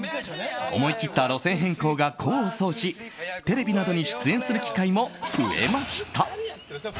思い切った路線変更が功を奏しテレビなどに出演する機会も増えました。